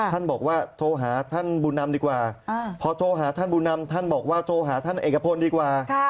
ท่านบอกว่าโทรหาท่านบุญนำดีกว่าพอโทรหาท่านผู้นำท่านบอกว่าโทรหาท่านเอกพลดีกว่า